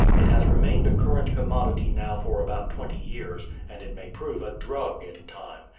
It has remained a current commodity now for about twenty years, and it may prove a drug in time.